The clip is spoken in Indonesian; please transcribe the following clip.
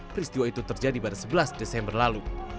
peristiwa itu terjadi pada sebelas desember lalu